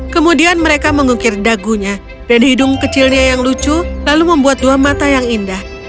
kemudian mereka mengukir dagunya dan hidung kecilnya yang lucu lalu membuat dua mata yang indah